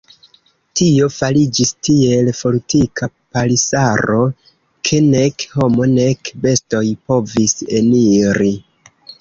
Tio fariĝis tiel fortika palisaro, ke nek homo nek bestoj povis eniri.